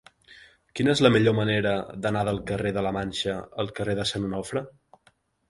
Quina és la millor manera d'anar del carrer de la Manxa al carrer de Sant Onofre?